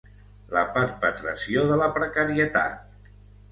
La perpetració de la precarietat.